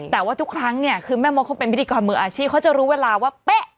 แต่ว่าทุกครั้งเนี่ยคือแม่มดเขาเป็นพิธีกรมืออาชีพเขาจะรู้เวลาว่าเป๊ะ